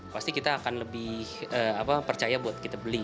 pasti kita akan lebih percaya buat kita beli